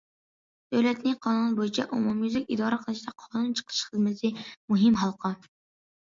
دۆلەتنى قانۇن بويىچە ئومۇميۈزلۈك ئىدارە قىلىشتا قانۇن چىقىرىش خىزمىتى مۇھىم ھالقا.